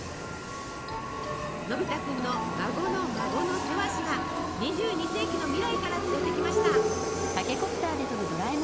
のび太くんの孫の孫のセワシが２２世紀の未来から連れてきました。